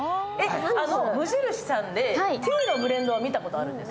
無印さんでティーのブレンドは見たことあるんです。